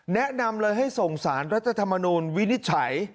แนะนำเลยให้ส่งสารรัฐธรรมนูลวินิจฉัย